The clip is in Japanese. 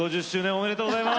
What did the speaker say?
ありがとうございます。